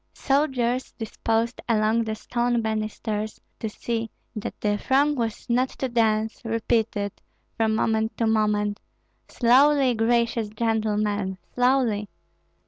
Soldiers disposed along the stone banisters to see that the throng was not too dense, repeated, from moment to moment, "Slowly, gracious gentlemen, slowly!"